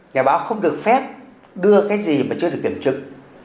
nhà báo không được phép đưa cái gì mà chưa được kiểm chứng